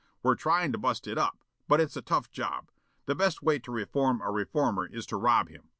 We're tryin' to bust it up, but it's a tough job. The best way to reform a reformer is to rob him.